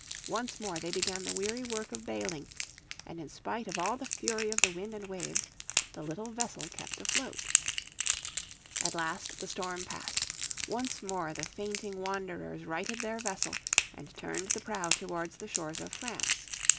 Once more they began the weary work of bailing, and in spite of all the fury of the wind and waves the little vessel kept afloat. At last the storm passed. Once more the fainting wanderers righted their vessel, and turned the prow towards the shores of France.